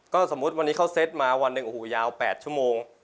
ก็สมมติวันนี้เขาเซ็ตมาวันเด็กอูหูยาว๘ชั่วโมง